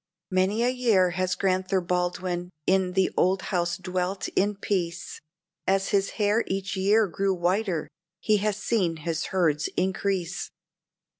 Many a year has Grand'ther Baldwin in the old house dwelt in peace, As his hair each year grew whiter, he has seen his herds increase.